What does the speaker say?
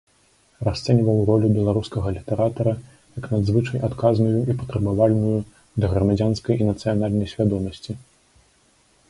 Расцэньваў ролю беларускага літаратара як надзвычай адказную і патрабавальную да грамадзянскай і нацыянальнай свядомасці.